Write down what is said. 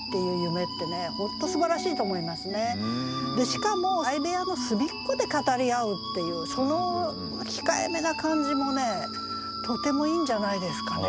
しかも相部屋の隅っこで語り合うっていうその控えめな感じもとてもいいんじゃないですかね。